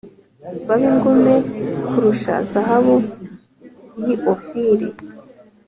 babe ingume kurusha zahabu y’i Ofiri.